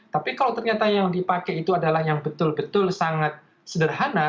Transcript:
tapi kalau ternyata yang dipakai itu adalah yang betul betul sangat sederhana